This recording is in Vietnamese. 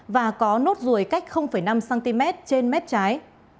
và có nốt ruồi cách năm cm trên mép trái